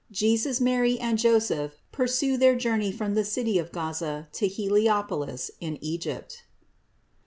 JESUS, MARY AND JOSEPH PURSUE THEIR JOURNEY FROM THE CITY OF GAZA TO HEUOPOUS IN EGYPT.